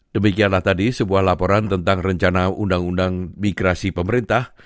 demikianlah tadi sebuah laporan tentang rencana undang undang migrasi pemerintah